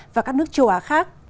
và các nước châu á khác